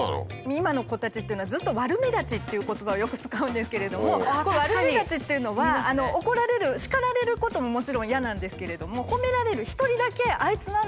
今の子たちっていうのはずっと「悪目立ち」っていう言葉をよく使うんですけれども悪目立ちっていうのは怒られる叱られることももちろん嫌なんですけれどもほめられる一人だけあいつ何だよ！